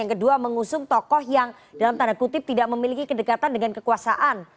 yang kedua mengusung tokoh yang dalam tanda kutip tidak memiliki kedekatan dengan kekuasaan